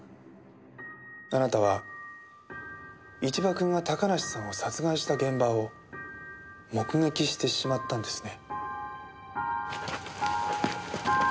あなたは一場君が高梨さんを殺害した現場を目撃してしまったんですね。